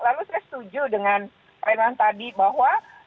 lalu saya setuju dengan pak renan tadi bahwa